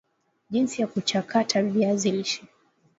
jinsi ya kuchakata viazi lishe